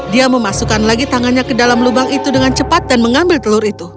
dia memasukkan lagi tangannya ke dalam lubang itu dengan cepat dan mengambil telur itu